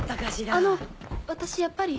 あの私やっぱり。